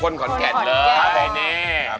คนขอนแก่นเลยนี่